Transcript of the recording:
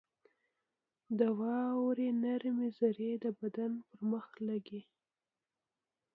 • د واورې نرمې ذرې د بدن پر مخ لګي.